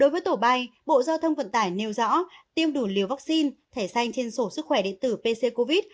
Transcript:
với tổ bay bộ giao thông vận tải nêu rõ tiêm đủ liều vaccine thẻ xanh trên sổ sức khỏe điện tử pc covid